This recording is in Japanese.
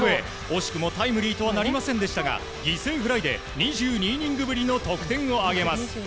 惜しくもタイムリーとはなりませんでしたが犠牲フライで２２イニングぶりの得点を挙げます。